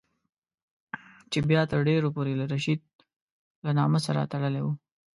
چې بیا تر ډېرو پورې له رشید له نامه سره تړلی وو.